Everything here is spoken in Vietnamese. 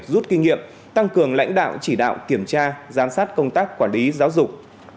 rút kinh nghiệm tăng cường lãnh đạo chỉ đạo kiểm tra giám sát công tác quản lý giáo dục